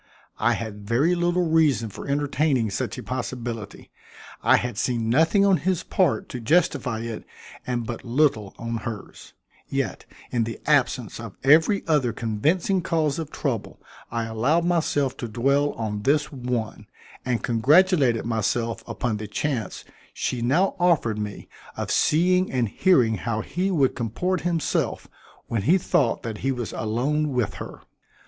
I had very little reason for entertaining such a possibility. I had seen nothing on his part to justify it and but little on hers. Yet in the absence of every other convincing cause of trouble I allowed myself to dwell on this one, and congratulated myself upon the chance she now offered me of seeing and hearing how he would comport himself when he thought that he was alone with her.